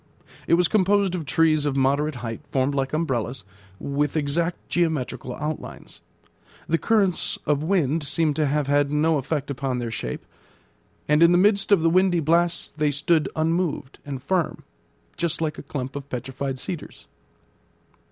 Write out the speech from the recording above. It was composed of trees of moderate height, formed like umbrellas, with exact geometrical outlines. The currents of wind seemed to have had no effect upon their shape, and in the midst of the windy blasts they stood unmoved and firm, just like a clump of petrified cedars.